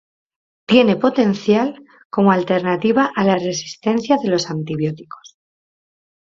Tiene potencial como alternativa a la resistencia de los antibióticos.